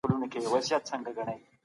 د ګاونډيانو حقونه بايد وپېژنو.